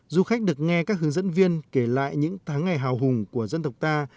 du khách được nghe các hướng dẫn viên kể lại những tháng ngày hào hùng của dân tộc ta